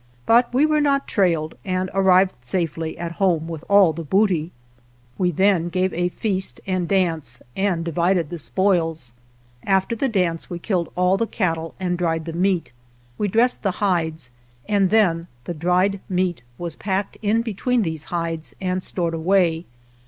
But we were not trailed, and arrived safely at home with all the booty. We then gave a feast and dance, and di vided the spoils. After the dance we killed all the cattle and dried the meat. We dressed the hides and then the dried meat was packed in between these hides and stored away.